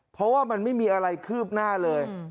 เพราะว่ามันไม่มีอะไรคืบหน้าเลย